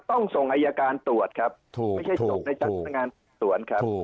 ต้องส่งอายการตรวจครับไม่ใช่ส่งในชั้นพนักงานสวนครับ